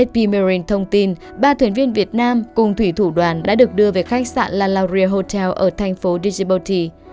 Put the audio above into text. fp marine thông tin ba thuyền viên việt nam cùng thủy thủ đoàn đã được đưa về khách sạn la la ria hotel ở thành phố dijibouti